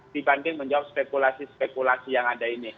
dibanding menjawab spekulasi spekulasi yang ada ini